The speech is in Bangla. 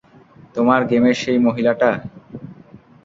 তোমার গেমের সেই মহিলাটা?